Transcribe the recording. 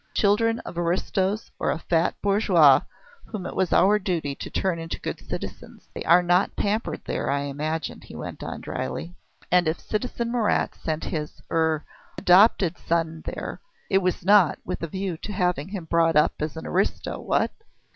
Children of aristos or of fat bourgeois, whom it was our duty to turn into good citizens. They are not pampered there, I imagine," he went on drily; "and if citizen Marat sent his er adopted son there, it was not with a view to having him brought up as an aristo, what?"